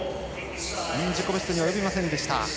自己ベストには及びませんでした。